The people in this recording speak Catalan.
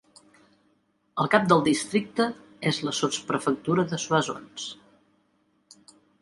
El cap del districte és la sotsprefectura de Soissons.